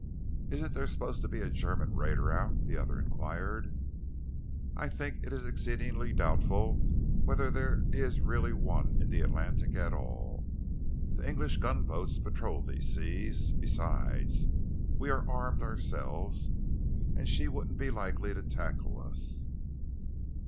"Isn't there supposed to be a German raider out?" the other enquired. "I think it is exceedingly doubtful whether there is really one in the Atlantic at all. The English gunboats patrol these seas. Besides, we are armed ourselves, and she wouldn't be likely to tackle us."